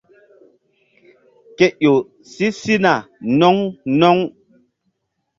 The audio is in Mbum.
Ke ƴo si sina no̧ŋ no̧ŋ.